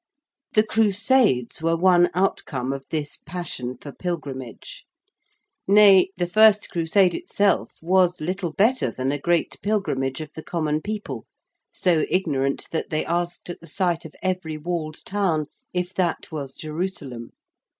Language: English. The Crusades were one outcome of this passion for pilgrimage. Nay, the first Crusade itself was little better than a great pilgrimage of the common people, so ignorant that they asked at the sight of every walled town if that was Jerusalem.